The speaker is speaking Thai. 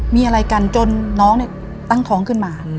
มีอะไรกันจนน้องตั้งท้องขึ้นมา